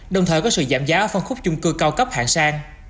đồng thời có sự giảm giá ở phân khúc chung cư cao cấp hạng sang